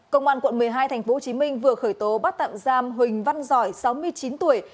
công an quận một mươi hai tp hcm vừa khởi tố bắt tạm giam huỳnh văn giỏi sáu mươi chín tuổi